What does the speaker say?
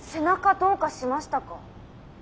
どうかしましたか？